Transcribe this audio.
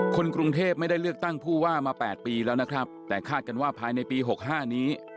คนกรุงเทพไม่ได้เลือกตั้งผู้ว่ามา๘ปีแล้วนะครับแต่คาดกันว่าภายในปี๖๕นี้